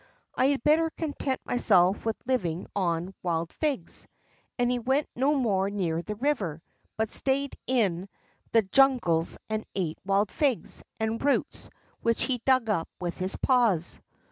I had better content myself with living on wild figs," and he went no more near the river, but stayed in the jungles and ate wild figs, and roots which he dug up with his paws.